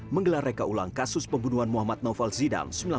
menggelar reka ulang kasus pembunuhan muhammad nawfal zidane